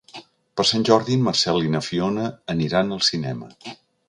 Per Sant Jordi en Marcel i na Fiona aniran al cinema.